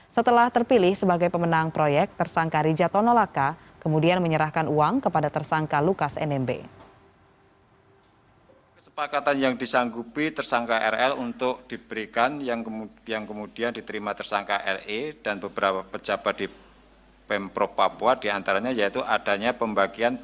setelah terpilih sebagai pemenang proyek tersangka rijatno laka kemudian menyerahkan uang kepada tersangka lukas nmb